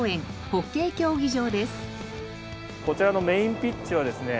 こちらのメインピッチはですね